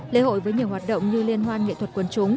lễ hội với nhiều hoạt động như liên hoan nghệ thuật quý